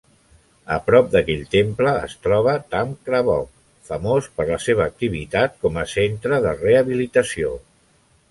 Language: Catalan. A prop d'aquell temple es troba Tham Krabok, famós per la seva activitat com a centre de rehabilitació.